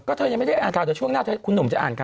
เธอยังไม่ได้อ่านข่าวเดี๋ยวช่วงหน้าคุณหนุ่มจะอ่านข่าว